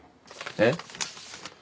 えっ？